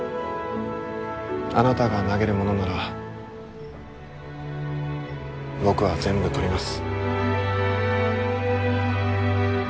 あなたが投げるものなら僕は全部取ります。